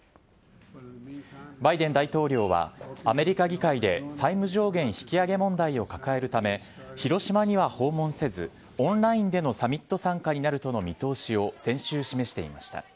バイデン大統領は、アメリカ議会で債務上限引き上げ問題を抱えるため、広島には訪問せず、オンラインでのサミット参加になるとの見通しを先週示していました。